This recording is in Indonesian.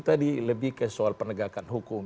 tadi lebih ke soal penegakan hukum